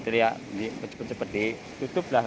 itu dia cepat cepat ditutup lah